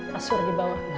kasur di bawah